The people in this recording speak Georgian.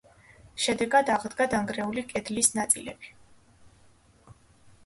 შედეგად აღდგა დანგრეული კედლის ნაწილები.